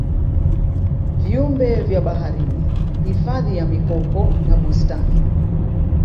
viumbe vya baharini Hifadhi ya mikoko na bustani